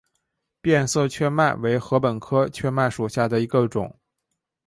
变色雀麦为禾本科雀麦属下的一个种。